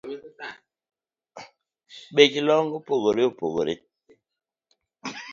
Bech long’ opogore opogore